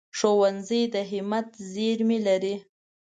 ښوونځی د همت زېرمې لري